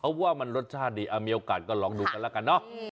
เพราะว่ามันรสชาติดีมีโอกาสก็ลองดูกันแล้วกันเนอะ